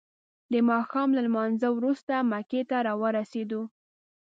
د ماښام له لمانځه وروسته مکې ته راورسیدو.